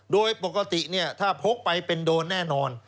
โดยปกติถ้าพกไปเป็นโดนแน่นอน